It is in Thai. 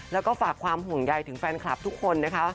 แล้วก็ฝากความห่วงใยถึงแฟนคลับทุกคนนะคะ